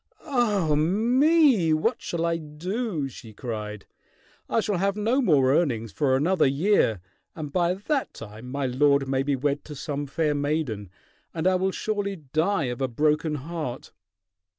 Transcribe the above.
"Ah me! What shall I do?" she cried. "I shall have no more earnings for another year, and by that time my lord may be wed to some fair maiden, and I will surely die of a broken heart!"